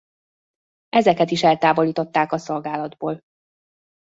Ezeket is eltávolították a szolgálatból.